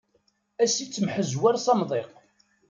Ad as-yettemḥezwar s amḍiq.